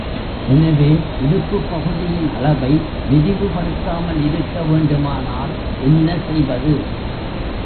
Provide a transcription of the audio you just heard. எனவே, இடுப்புப் பகுதியின் அளவை விரிவுபடுத்தாமல் இருக்க வேண்டுமானால், என்ன செய்வது?